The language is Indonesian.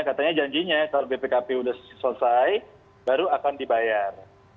katanya janjinya kalau bpkp sudah selesai baru akan dibayar